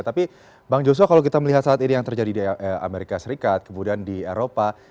tapi bang joshua kalau kita melihat saat ini yang terjadi di amerika serikat kemudian di eropa